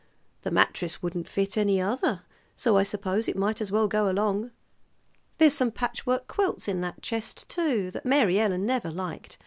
The mattress wouldn't fit any other; so I suppose it might as well go along. There's some patchwork quilts in that chest, too, that Mary Ellen never liked.